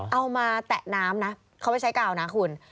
มาแตะน้ำนะเขาไม่ใช้กาวนะคุณ